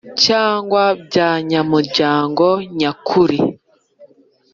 Cyangwa by anyamuryango nyakuri